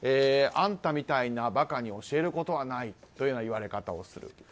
あんたみたいな馬鹿に教えることはないという言われ方をする。